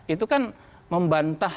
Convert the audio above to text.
itu kan membantah